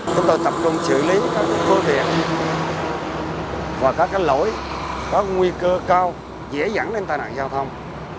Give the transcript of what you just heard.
chúng tôi tập trung xử lý các phương tiện và các lỗi có nguy cơ cao dễ dẫn đến tai nạn giao thông